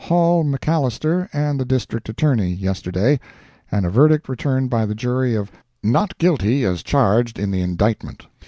Hall McAllister and the District Attorney, yesterday, and a verdict returned by the jury of "Not guilty as charged in the indictment."